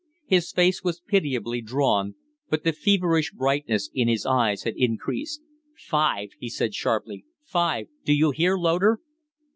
His face was pitiably drawn, but the feverish brightness in his eyes had increased. "Five," he said, sharply. "Five. Do you hear, Loder?"